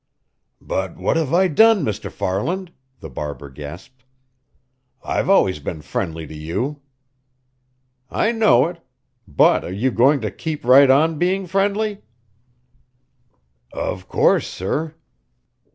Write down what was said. "But what have I done, Mr. Farland?" the barber gasped. "I've always been friendly to you." "I know it. But are you going to keep right on being friendly?" "Of course, sir."